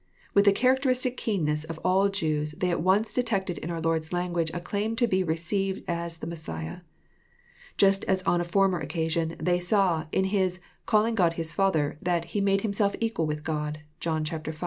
With the characteristic keenness of all Jews they at once detected in our Lord's language a claim to be received as the Messiah. Just as on a former occasion, they saw, in His " calling God His Father," that He «* made Himself equal with God, " (John v.